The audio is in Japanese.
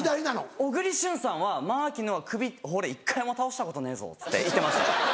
小栗旬さんは「まきのっ」は「首俺１回も倒したことねえぞ」って言ってました。